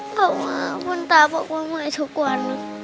เพราะว่าคุณตาบอกว่าเมื่อยทุกวัน